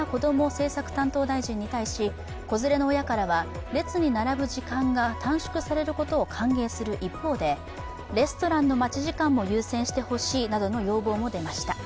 政策担当大臣に対し子連れの親からは、列に並ぶ時間が短縮されることを歓迎する一方で、レストランの待ち時間も優先してほしいなどの要望も出ました。